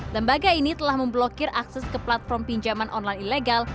lembaga ini telah memblokir akses ke platform pinjaman online ilegal